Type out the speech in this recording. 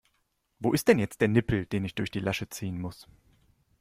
Wo ist denn jetzt der Nippel, den ich durch die Lasche ziehen muss?